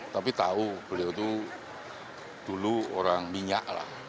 tapi tahu beliau itu dulu orang minyak lah